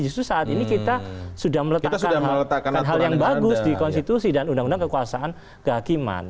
justru saat ini kita sudah meletakkan hal yang bagus di konstitusi dan undang undang kekuasaan kehakiman